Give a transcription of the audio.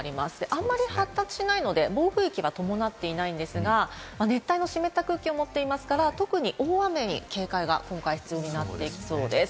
あまり発達しないので、暴風域は伴っていないんですが、熱帯の湿った空気を持っていますから、特に大雨に警戒が今回、必要になっていきそうです。